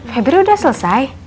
feby udah selesai